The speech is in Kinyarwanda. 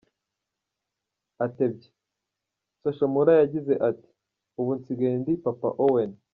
Atebya, Social yagize ati “Ubu nsigaye ndi papa Owen”.